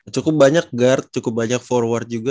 cukup banyak guard cukup banyak forward juga